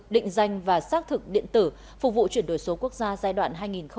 định danh và xác thực điện tử phục vụ chuyển đổi số quốc gia giai đoạn hai nghìn hai mươi một hai nghìn hai mươi năm